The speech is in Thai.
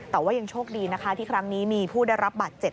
แต่ว่ายังโชคดีนะคะที่ครั้งนี้มีผู้ได้รับบาดเจ็บ